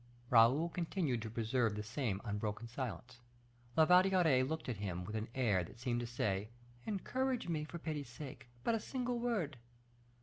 Raoul continued to preserve the same unbroken silence. La Valliere looked at him with an air that seemed to say, "Encourage me; for pity's sake, but a single word!"